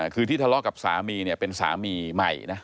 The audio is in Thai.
คือที่ทะเลาะกับสามีเนี่ยเป็นสามีใหม่นะ